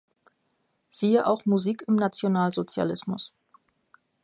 Siehe auch Musik im Nationalsozialismus.